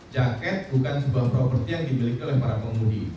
jaket bukan sebuah properti yang dimiliki oleh para pengemudi